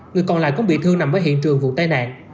người còn lại cũng bị thương nằm ở hiện trường vụ tai nạn